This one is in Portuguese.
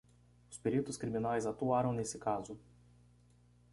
Os peritos criminais atuaram nesse caso.